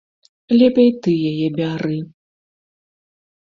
Лепей ты яе бяры.